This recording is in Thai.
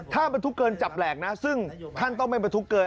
ถ้าบรรทุกเกินจับแหลกนะซึ่งท่านต้องไม่บรรทุกเกิน